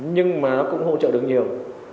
nhưng mà nó cũng hỗ trợ được nhiều